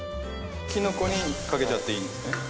キノコにかけちゃっていいんですね。